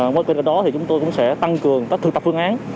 ngoài ra đó thì chúng tôi cũng sẽ tăng cường các thực tập phương án